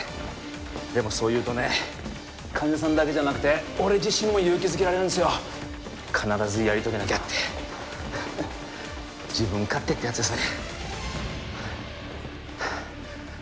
もそう言うとね患者さんだけじゃなくて俺自身も勇気づけられるんですよ必ずやり遂げなきゃって自分勝手ってやつですね